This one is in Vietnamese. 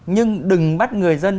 nhưng đừng bắt người dân